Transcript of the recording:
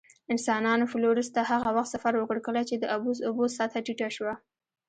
انسانانو فلورس ته هغه وخت سفر وکړ، کله چې د اوبو سطحه ټیټه شوه.